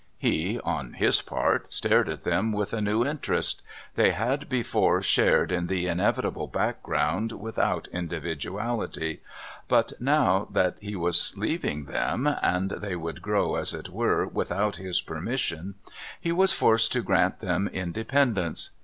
He, on his part, stared at them with a new interest. They had before shared in the inevitable background without individuality. But now that he was leaving them, and they would grow, as it were, without his permission, he was forced to grant them independence.